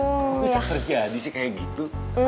kalau bisa terjadi sih kayak gitu